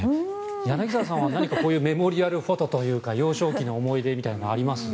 柳澤さんは何かこういうメモリアルフォトというか幼少期の思い出みたいなものはあります？